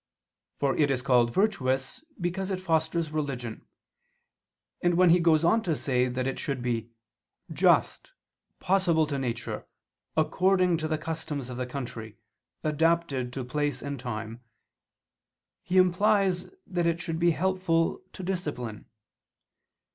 For it is called virtuous because it fosters religion. And when he goes on to say that it should be "just, possible to nature, according to the customs of the country, adapted to place and time," he implies that it should be helpful to discipline.